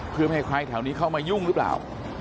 เพื่อไม่ให้ใครแถวนี้เข้ามายุ่งหรือเปล่า